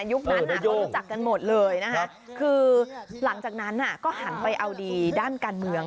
นั้นเขารู้จักกันหมดเลยนะคะคือหลังจากนั้นก็หันไปเอาดีด้านการเมือง